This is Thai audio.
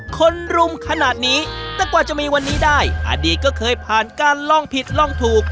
คนรุมขนาดนี้แต่กว่าจะมีวันนี้ได้อดีตก็เคยผ่านการลองผิดลองถูก